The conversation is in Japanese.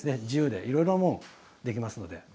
自由でいろいろなものができます。